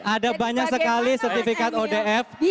ada banyak sekali sertifikat odf